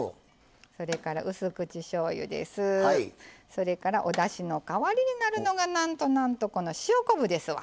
それからおだしの代わりになるのがなんとなんとこの塩昆布ですわ。